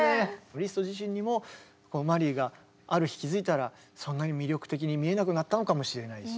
リスト自身にもマリーがある日気付いたらそんなに魅力的に見えなくなったのかもしれないし。